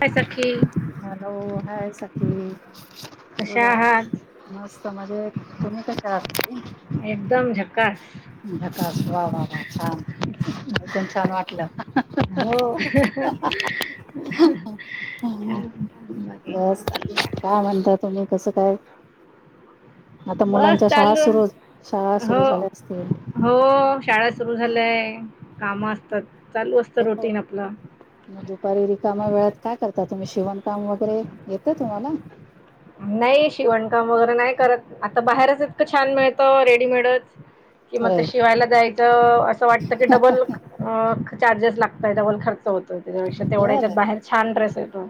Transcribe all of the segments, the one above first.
काय सखी hello hi सखी कशा बोला आहात मस्त मजेत तुम्ही कशा आहात छान एकदम झकास ऐकून छान वाटलं हो काय म्हणता? बाकी बस कसं चाललंय काय म्हणता तुम्ही कस हा बस चालू शाळा हो सुरू झाल्या असतील हो शाळा सुरू झाल्याय काम असतात चालू असतं रुटीन आपलं मग दुपारी रिकामा वेळात काय करता आता तुम्ही शिवणकाम वगैरे येतं तुम्हाला नाही शिवणकाम वगैरे नाही करत आता बाहेरच इतकं छान मिळत रेडीमेडच कि मग त खरंय शिवायला जायच तर असं वाटतं की डबल चार्जेस लागतय डबल खर्च हो - तोय त्याच्यापेक्षा बर तेवढ्याच्यात बाहेर छान ड्रेस येतो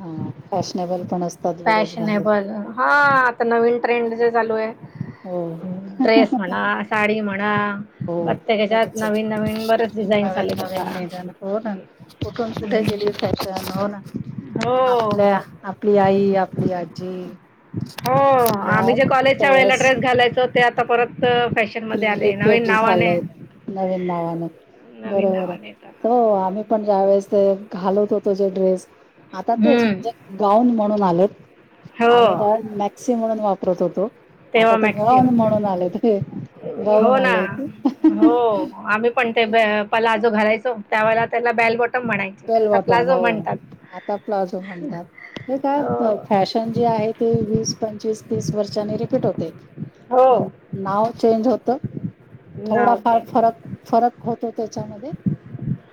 हा फॅशनेबल पण असतात बरेच भाऊ फॅशनेबल हा आता नवीन ट्रेंड जे चालू ये हो ड्रेस म्हणा साडी म्हणा - [unintelligible] हो खरच बरेच डिझाईन्स नन आलेत नवीन आता. मैदान हो ना कुठून कुठे नवीन गेली फॅशन हो ना हो आपल्या आपली आई आप - आपली आजी हो ह्या आम्ही जे कॉलेजच्या वेळेला ड्रेस [unintelligible] घालायचो ते आता परत - रिपीट झालंय नवीन नावाने नवीन बरोबर नावाने येत आता हो आम्ही पण ज्या वेळेस ते घालत होतो जे ड्रेस आता तेच हम्म म्हणजे गाउन म्हणून आलेत आम्ही हो तर मॅक्सी म्हणून वाप- वापरत होतो आता तेव्हा ते [unintelligible] मॅक्सी म्हणून होत आले - हो ना हो आम्ही पण ते ब पला - तो घालायचो त्यावेळेला त्याला बेल बॉट- बेल बॉटम हो आता प्लाझो म्हणतात हे काय हो फॅशन जे आहे ते वीस - पंचवीस तीस वर्षांनी रिपीट होते. हो नाव चेंज होत. त - नाव थोडाफार चेंज फरक फरक होतो त्याच्यामध्ये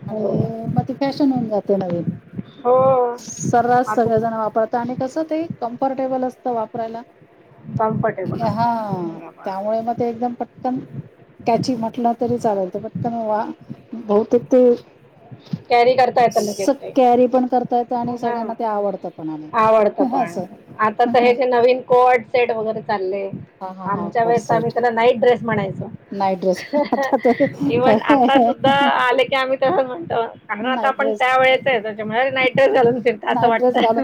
हो आणि मग ती - फॅशन होऊन जाते नवीन हो सर्रास आता सगळे जण वापरत आणि कसं ते - - कम्फर्टेबल असतं वापरायला. कम्फर्टेबल हा असतं बरोबर. त्यामुळे मग ते एकदम पटकन कॅची म्हटलं तरी चालयतं पटकन वा बहुतेक ते - कॅरी स कॅरी पण करतायत - हां आवडत पण असं आता तर हे जे नवीन कोड सेट वगैरे चालले. हा हा हा आमच्या कॉट वेळेस आम्ही सेट त्याला नाईट ड्रेस - म्हणायचो नाईट ड्रेस आता ते [unintelligible] इव्हन आता सुद्धा आले की आम्ही तस म्हणतो कारण आता नाईट आपण ड्रेस त्या वेळेच आहे त्याच्यामुळे नाइट - नाईट ड्रेस घालून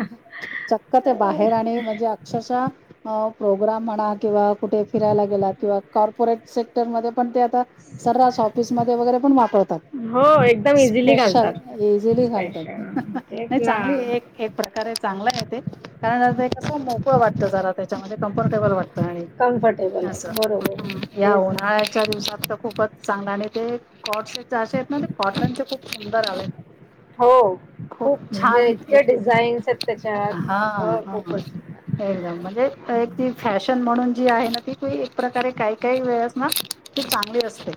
चक्क ते बाहेर आणि म्हणजे अक्षरशः - हो प्रोग्राम म्हणा किंवा कुठे फिरायला गेला किंवा कॉर्पोरेट सेक - तर मध्ये पण ते आता सर्रास ऑफीस मध्ये वगरे पण वापरतात हो एकदम इझिली स्पेशल घालतात एजिली स्पेशल घालतात तेच ना चांगली आहे एक प्रकारे चांगले ते कारण मोकळ वाटत जरा! त्याच्यामध्ये कम्फर्टेबल वाटतं. आणि कम्फर्टेबल असं आहे बरोबर तेच ना - या उन्हाळ्याच्या दिवसात तर खूपच चांगला नाही. येथे ते कॉटस असे आहेत कॉटन चे खूप सुंदर आले. हो खूप म्हणजे छान इतके डिझाईन्स आहेत त्याच्यात हां हो -हां खूपच एकदम म्हणजे एक ती फॅशन म्हणून जी आहे ना ती एक प्रकारे काही -काही वेळा! ती चांगली असते.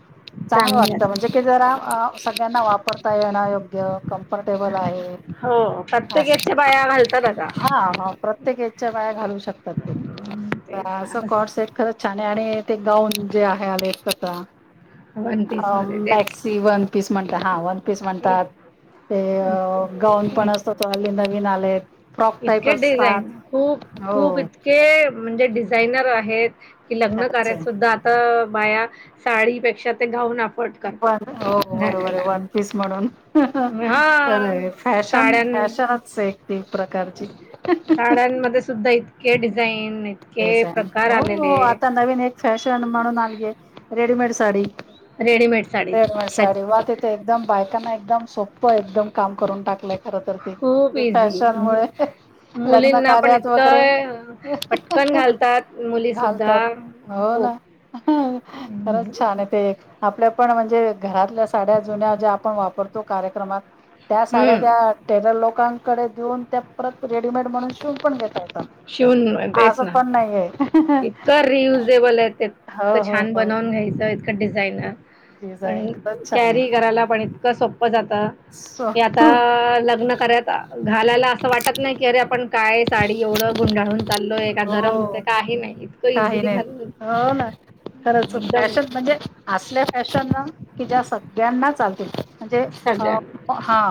चांगलं चांगली वाटत अस म्हणजे जरा की सगळ्यांना वापरता येणं योग्य कम्फर्टेबल आहे हो प्रत्येक अस याच्या बाया घालतात आता हां प्रत्येक एज च्या बाया घालू शकतात हं, ते तेच असट कॉट्स आहेत ना. खर छान! नारे ते गाउन - ते आहे आलेच कस - वन पीस अं मध्ये तेच मॅक्सी वन पीस- म्हणत हा वन पीस म्हणतात इत ते इत गाऊन पण इत असत नवीन आले फ्रॉक टाईप इतके असतात. डिझाईन खूप जायनर आहेत. कि लग्न खरंच कार्यात आहे. सुद्धा आता. बाया साडीपेक्षा ते घाऊन. व हो बरोबर आहे वन पीस. म्हणून हा खर फॅशन साड्यां फॅशनच एक ती प्रकारची. सत के डिझाईन. ते इतके प्रकार हो आलेले आता नवीन एक फॅशन म्हणून आलीय रेडीमेड. तारीख. रेडीमेड साडीत. रडम त्यात साडी वा तेथे एकदम बायका नाही. एकदम सोप एकदम काम करून टाकलंय. खर तर खूप ते इझी फॅशन मुळे लग्न मुलींना पण कार्यात वगैरे इतकं. घालतात मुली सुद्धा घालतात हो ना खूप खरच छान आहे ते आपल्या. पण म्हणजे घरातल्या साड्या जुन्या ज्या आपण वापरतो कार्यक्रमात. त्या साड्या हं. त्या टेलर लोकां कडे देऊन त्या परत रेडीमेड म्हणून शूून पण घेता येत. शिवून. बेस ना इतकं रियुजेबल आहे, हो इतकं हो छान हो बनवून घ्यायचं. का डिझाईन. डिझाईन आणि खरंच छान आहे कॅरी करायला पण. कसं उगच आता, सो की आता लग्न करत घालायला. असं वाटत नाही की अरे, आपण काय साडी एवढं. गुंडाळून. चाललोय का गरम हो होते काही नाही इतकं काही इझिली नाही घालून हो ना खरच, एकदम फॅशन म्हणजे असल्या फॅशन ना की ज्या सगळ्यांना चाल म्हणजे सगळ्या हा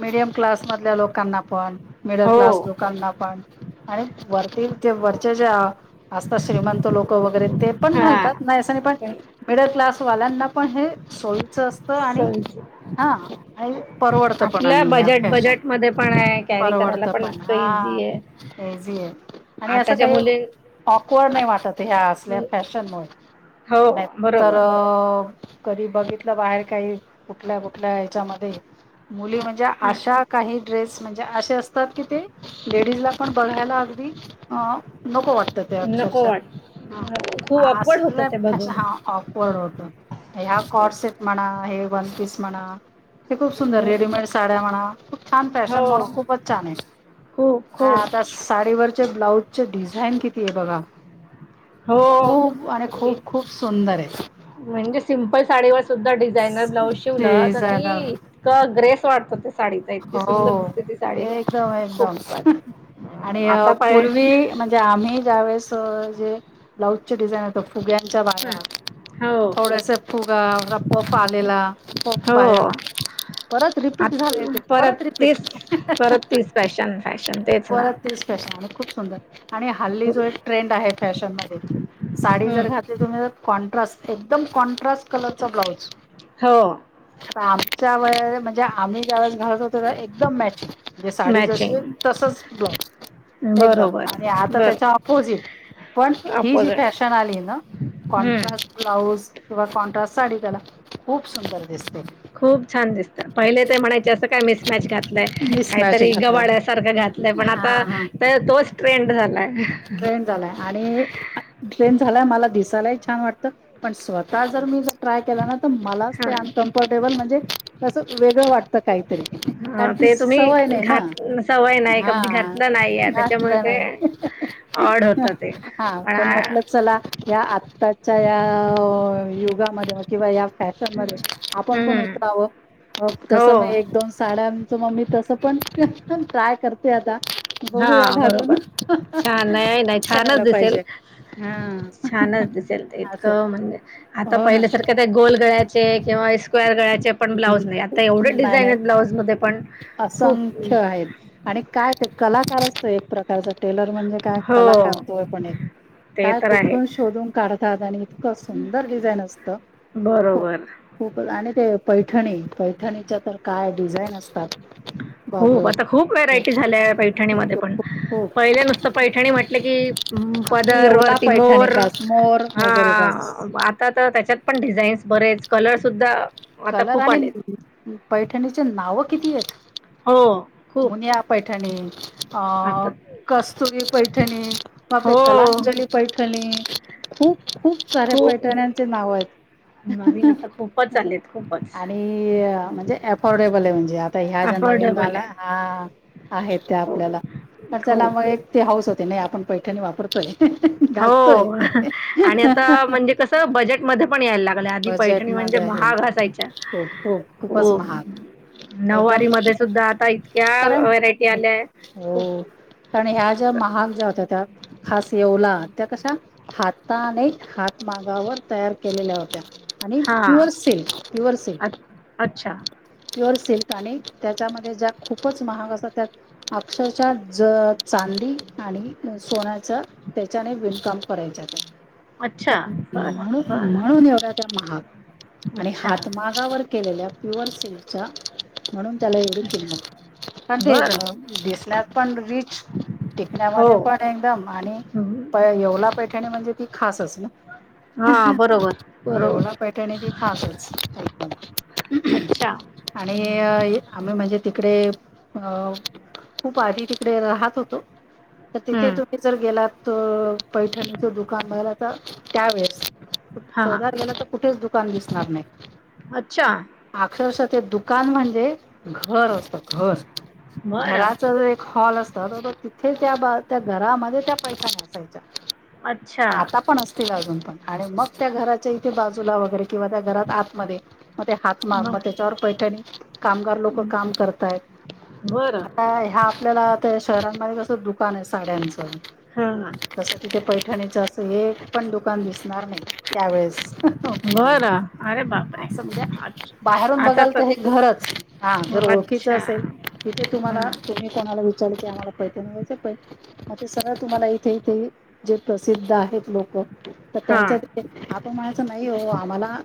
मिडयम क्लासमधल्या लोक करना पण. मिडल क्लास हो लोकांना पण आणि वरती. वरच्या ज्या असतात, श्रीमंत लोक वगैरे ते पण हां घालतात, नाही असं पण ते मिडल क्लास वाल्यांना पण हे सोयीचं असत, आणि सोयीची हा आणि परवडतं पण, आपल्या आणि या बजेट फॅशन बजेटमध्ये पण आहे कॅरी करायला परवडतं पण इतकं हा इझी आहे हेजी आहे. आणि असं आताच्या काही मुली ऑकवर्ड नाही आत- वाटत, ह्या असल्या फॅशनमुळे हो नाहीतर बरोबर कधी बघितलं बाहेर काही कुठल्या कुठल्या हच्यामध्ये. मुली म्हणजे हां अशा काही ड्रेस म्हणजे असे असतात की, ते लेडीजला पण बघायला अगदी आ. नको वाटत ते नको अक्षरशः वाटतं हो खूप हा अपवड असल होतं ते बघून हा ऑकवर्ड होतो. ह्या तेच कॉर्डसेट म्हणा हे वन पीस. म्हणा. ते खूप सुंदर बरं रेडीमेड साड्या म्हणा, खूप छान फॅशन हो म्हणून खूपच छान आहे. खो खो आता साडीवर ते ब्लाउ अच्छा डिझाईन किती आहे बघा? हो, खूप आणि खूप खूप सुंदर आहे म्हणजे सिंपल साडीवर सुधा डिझायनर ब्लाउज शिवलं तर ती डिझायनर इं ग्रेस वाटत ते. हो, एकदम एकदम खूप आणि आता पाय पूर्वी म्हणजे आम्ही ज्यावेेळेस जे ब्लाउजचे डिझाईन आ फुग्यांच्या बाह्या, हं. हो थोड्यासा फुगा पफ आलेला पफ हो बाह्या परत रिपीट झाले ते. आत- परत तीच परत तीच फॅशन फॅशन तेच ना. परत तेच फॅशन आणि खूप सुंदर आणि हल्ली जो एक ट्रेंड आहे फॅशन मध्ये साडी जर हं. घातली तुम्ही, जर कॉन्ट्रास्ट एकदम को कॉन्ट्रस्ट कलरचा ब्लाउज हो आमच्या वय म्हंजे आम्ही ज्या घालत होत ना एकदम मॅचींग. म्हणजे साडी जशी मॅचिंग तसच ब्लाउज एकदम बरोबर आणि आता बरं त्याच्या ऑपोजिट पण ही जी अपोजिट फॅशन आली ना, हं. Contrast blouse. किंवा कॉन्ट्रास्ट साडी गला खूप छान दिसत. पहिले ते म्हणायचे असं का मिसमॅच घातलय? मिसमॅच काहीतरी घातलंय गवाळ्यासारखं घातलंय! पण आता तोच ट्रेंड- झालाय ट्रेन झालाय आणि ट्रेन झालाय मला दिस ला छान वाटत पण स्वतः जर मी ट्राय केला ना, तर मलाच ते हां, अनकम्फर्टेबल म्हणजे तसं वेगळं वाटत काहीतरी कारण हां, ती ते तुम्ही सवय नाही ना, घात सवय नाही, कधी हा घातलं नाहीये त्याच्यामुळे घातलं ते नाही. ऑड होतं ते. हा, पण म्हटलं, चला या आत्ताच्या या युगामध्येध किंवा या फॅशन मध्ये आपण पण हं, उतरावं तस हो. मग एक दोन साड्यांच मग मी पण पण ट्राय करते आता. बगुया हां, घालून बरोबर. छान नाही नाही छानच करायला दिसेल पाहिजे हा छानच दिसेल असं इतकं म्हणजे आता हो ना पहिल्यासारखं ते गोल गळ्याचे किंवा स्क्वेर गळ्याचे पण ब्लाऊज नाही आता एवढे नाही डिझाईन नाही आहेत ब्लाऊज मध्ये पण खूप असंख्य आहेत आणि काय ते - कलाकारच एक प्रकारच टेलर - काय कला हो करतोय पण एक ते काय तर कुठन आहेच शोधून [unintelligible] [unintelligible] इतक सुंदर डिझाईन असतं - बरोबर [inaudible] पैठणी पैठणीच्या तर काय डिझाईन असतात हो बाबरे आता खूप बाप. व्हरायटी झाल्या खूप पैठणीमध्ये खूप पण खूप खूप पहिल्या नुसत पै- ठणी म्हटले की आपली पदर येवला वरती पैठणी मोर बस मोर हा वगैरे बस. आता तर त्याच्यात पण डिझाईन्स बरेच कलर सुुद्धा - कलर आणि न न पैठणीचे नाव कितीयेत हो खूप मुनिया पैठणी आता अं कस्तुरी पैठणी बापरे हो कलांजली पैठणी खूप खूप साऱ्या खूप पैठण्यांचे नाव येत नवीन आता खूपच आलेत खूपच आणि म्हणजे अफोर्डेबल आहे म्हणजे आता ह्या ज्या नवीन अफोर्डेबल झाला आहे हा आहेत त्या आपल्याला खर्चाला खूप मग ते हाऊस होते नाही आपण पैठणी वापरतोय - हो आणि आता म्हणजे कस बजेट मध्ये पण यायला लागल्या आधी पैठणी म्हणजे बजेटमध्ये आहे महाग असायच्या खूप खूप खूपच महाग एकदम नऊवारी मध्ये सुद्धा आता इतक्या [unintelligible] कारण व्हरायटी हो आल्या आहे खूप कारण ह्या ज्या असं महाग ज्या होत्या त्या खास येवला त्या कशा हाताने हात मागावर तयार केलेल्या होत्या आणि हा प्युअर सिल्क प्युअर सिल्क अ अच्छा प्युअर सिल्क आणि त्याच्यामध्ये ज्या खूपच महाग असत त्या अक्षरश ज चांदी आणि सोन्याचा त्याच्याने विणकाम करायचेत - अच्छा [inaudible] बरं म्हणून बरं म्हणून एवढ्या त्या महाात आणि अच्छा हात मागावर केलेल्या प्युअर सिल्कच्या म्हणून त्याला एवढी अच्छा किंमत कारण ते बरं अ अम दिसण्यातस पण रीच हो टिकण्यामध्ये पण एकदम आणि हम्म. प एवला पहि - पैठणी म्हणजे ती खासच ना हा बरोबर बरोबर [inaudible] येवला पैठणी ती अच्छा [unintelligible] आणि आम्ही म्हणजे तिकडे अ खूप आधी तिकडे राहत होतो तर तिथे तुम्ही हम्म जर गेलात त पैठणीचं दुकान [inaudible] त्यावेेळेस हा शोधत गेला तर कुठेच दुकान दिसणार नाही अच्छा अक्षरशः ते दुकान म्हणजे घर अस घर बरं घराच जे एक हॉल अस सर तिथे त्या त्या घरामध्ये त्या पैठणी असायच्या अच्छा आता पण असतील अजून आणि मग त्या घराच्या इथे बाजूला वगैरे किंवा त्या घरात आतमध्ये म ते हात माग मग त्याच्यावर पैठणी कामगार लोक काम करताय बरं आता ह्या आपल्याला शहरांनमध्ये दुकान आहे साड्यांचं हा तस तिथे पैठणीच असं एक पण दुकान दिसणार नाही त्यावेेळेस बरं अरे ह बापरे समजा अच्छा बाहेरून आता बघाल तर हे घरच हा जर ओळखीचं अच्छा असेल तिथे तुम्हाला हा तुम्ही कोणाला विचार पैठणी प ते सगळं तुम्हाला इथे इथे जे प्रसिद्ध आहेत लोक तर त्यांच्या हा ते आपण म्हणायचं नाही हो आम्हाला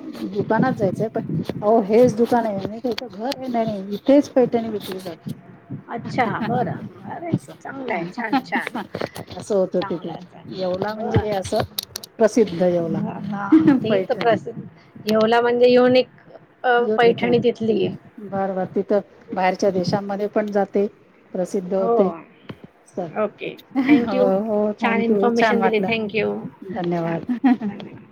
दुकानात जायचंय पण आओ हेच दुकान आहे म घर आहे नाही इथेच पैठणी विकली जाते अच्छा बरं अरे असं चांगलंय छान छान असं होत तिथे चांगलंय च येवला म्हणजे असं प्रसिद्ध येवला बर हा ते तर पैठणी प्रसिद्ध येवला म्हणजे ते युनिक अ, येऊन येतो पैठणी तिथली आहे. बर बर तिथं बाहेरच्या देशांमध्ये पण जाते प्रसिद्ध हो. होते च ओके. थँक हो यू. हो छान थँक यू छान इन्फॉर्मेशन दिली. Thank you. वाटलं छान. धन्यवाद धन्यवाद.